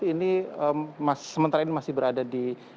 ini sementara ini masih berada di